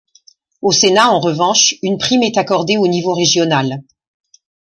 Au Sénat en revanche, une prime est accordée au niveau régional.